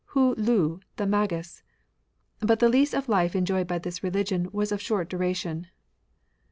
Ho Lu the Magus. But the lease of life enjoyed by this religion was of short dura tion.